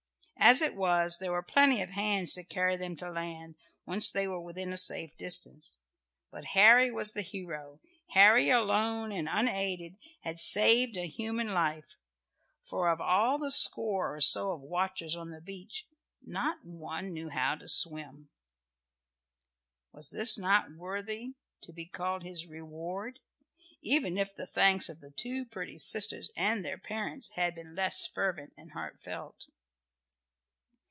As it was, there were plenty of hands to carry them to land, once they were within a safe distance; but Harry was the hero, Harry, alone and unaided, had saved a human life, for of all the score or so of watchers on the beach, not one knew how to swim. Was not this worthy to be called his "Reward?" even if the thanks of the two pretty sisters and their parents had been less fervent and heartfelt.